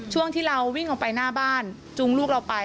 ช่วงที่เราวิ่งออกไปหน้าบ้านจุงลูกเราไป